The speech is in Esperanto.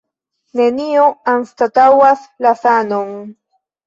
Nenio anstataŭas la sanon.